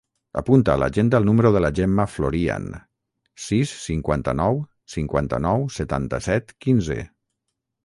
Apunta a l'agenda el número de la Gemma Florian: sis, cinquanta-nou, cinquanta-nou, setanta-set, quinze.